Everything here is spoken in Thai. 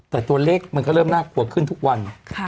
แต่ตัวเลขมันก็เริ่มน่ากลัวขึ้นทุกวัน